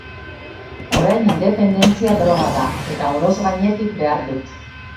Orain, independentzia droga da, eta oroz gainetik behar dut.